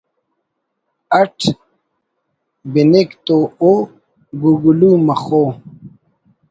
اٹ بِنک تو او گلگلو‘ مَخو